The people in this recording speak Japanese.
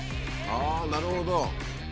ああなるほど。